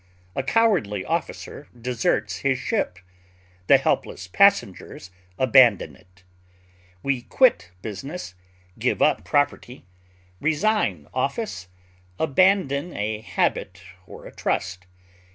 A cowardly officer deserts his ship; the helpless passengers abandon it. We quit business, give up property, resign office, abandon a habit or a trust.